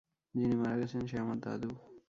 যিনি মারা গেছেন সে আমার দাদু।